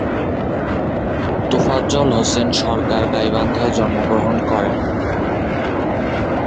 তোফাজ্জল হোসেন সরকার গাইবান্ধায় জন্মগ্রহণ করেন।